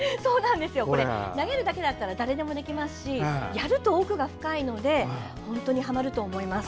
投げるだけだったら誰でもできますしやると奥が深いので本当にはまると思います。